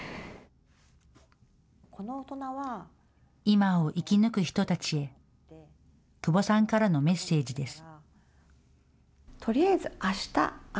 今を生き抜く人たちへ窪さんからのメッセージです。